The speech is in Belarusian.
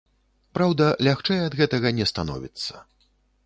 Праўда, лягчэй ад гэтага не становіцца.